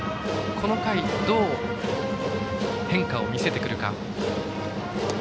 この回はどう変化を見せてくるか。